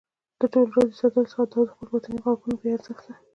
د ټولو د راضي ساتلو حڅه او د خپلو باطني غږونو بې ارزښته